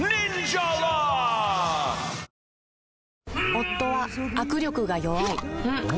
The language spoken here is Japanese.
夫は握力が弱い